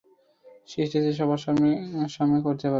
স্টেজে সবার সামনে করতে পারবে না।